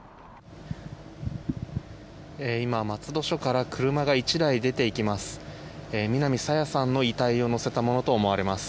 今、松戸署から車が１台出て行きます。